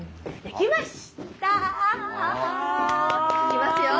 いきますよ！